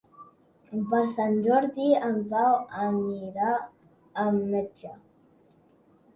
Per Sant Jordi en Pau anirà al metge.